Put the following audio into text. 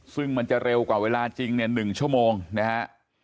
ซึ่งมันจะเร็วกว่าเวลาจริงเนี่ย๑ชั่วโมงนะฮะ